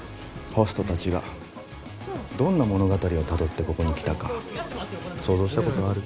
ホストたちがどんな物語をたどってここに来たか想像したことある？